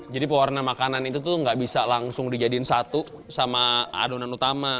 jadi pewarna makanan itu tuh gak bisa langsung dijadiin satu sama adonan utama